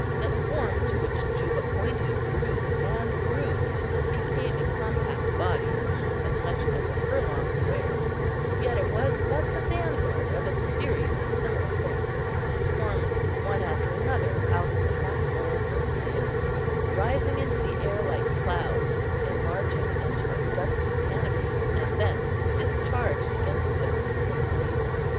The swarm to which Juba pointed grew and grew till it became a compact body, as much as a furlong square; yet it was but the vanguard of a series of similar hosts, formed one after another out of the hot mould or sand, rising into the air like clouds, enlarging into a dusky canopy, and then discharged against the fruitful plain.